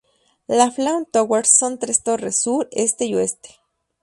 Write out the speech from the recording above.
Las Flame Towers son tres torres: sur, este y oeste.